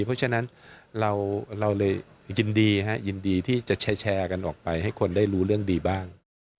เพราะฉะนั้นเราเลยยินดียินดีที่จะแชร์กันออกไปให้คนได้รู้เรื่องดีบ้าง